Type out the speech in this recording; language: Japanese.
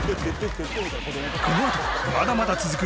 この後まだまだ続く